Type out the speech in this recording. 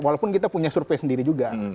walaupun kita punya survei sendiri juga